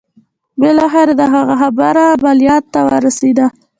بالاخره د هغه خبره عمليات ته ورسېده.